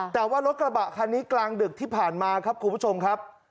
แต่ว่ารถกระบะคันนี้กลางดึกที่ผ่านมาครับคุณผู้ชมครับ